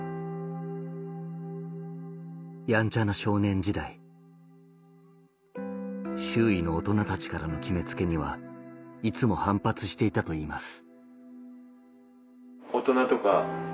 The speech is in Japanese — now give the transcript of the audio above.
やんちゃな少年時代周囲の大人たちからの決め付けにはいつも反発していたと言います